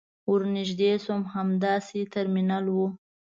ور نژدې شوم همدا يې ترمینل و.